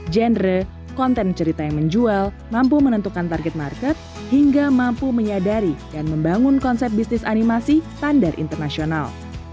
genre konten cerita yang menjual mampu menentukan target market hingga mampu menyadari dan membangun konsep bisnis animasi standar internasional